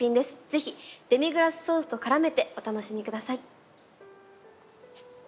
ぜひデミグラスソースと絡めてお楽しみください。